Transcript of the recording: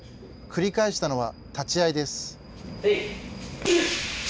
繰り返したのは立ち合いです。